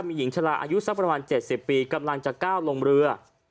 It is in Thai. มีหญิงชะลาอายุสักประมาณ๗๐ปีกำลังจะก้าวลงเรือ